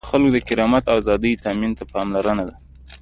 د خلکو د کرامت او آزادیو تأمین ته پاملرنه ده.